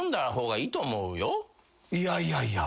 いやいやいや。